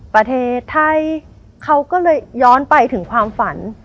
ประเทศไทยเขาก็เลยย้อนไปถึงความฝัน